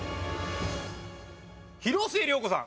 広末涼子さん